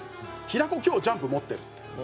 「平子今日『ジャンプ』持ってる」って。